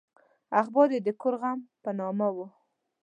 اخبار یې د کور غم په نامه و.